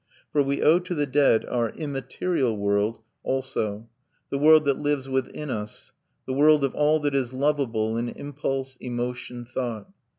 For we owe to the dead our immaterial world also, the world that lives within us, the world of all that is lovable in impulse, emotion, thought.